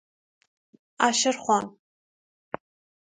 عشر خوان